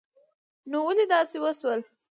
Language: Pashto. نو ولی داسی وشول